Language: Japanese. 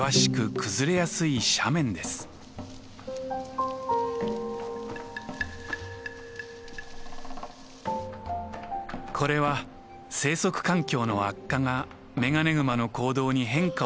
これは生息環境の悪化がメガネグマの行動に変化をもたらした結果でもあります。